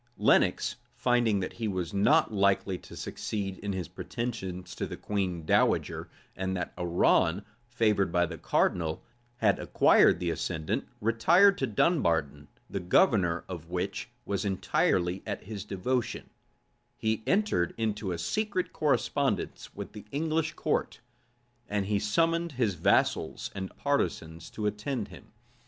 Lenox, finding that he was not likely to succeed in his pretensions to the queen dowager, and that Arran, favored by the cardinal, had acquired the ascendant, retired to Dunbarton, the governor of which was entirely at his devotion; he entered into a secret correspondence with the English court; and he summoned his vassals and partisans to attend him.